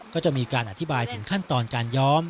ก็จะมีการอธิบายถึงขั้นตอนการย้อม